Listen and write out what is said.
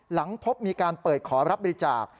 หลังพบมีการเปิดขอรับบริจาค